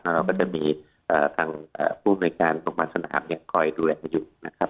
เราก็จะมีทางภูมิในการสงบัตรสนามเนี่ยคอยดูแลอยู่นะครับ